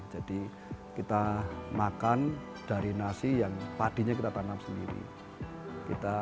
jadi kita makan dari nasi yang padinya kita tanam sendiri